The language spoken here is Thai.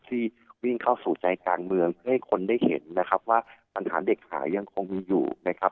ที่วิ่งเข้าสู่ใจกลางเมืองเพื่อให้คนได้เห็นนะครับว่าปัญหาเด็กหายังคงมีอยู่นะครับ